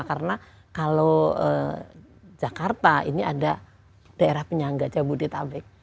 karena kalau jakarta ini ada daerah penyangga jabodetabek